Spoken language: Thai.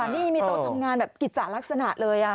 นี่มีตัวทำงานแบบกิจจารย์ลักษณะเลย